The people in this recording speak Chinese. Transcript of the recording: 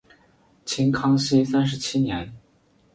清康熙三十七年。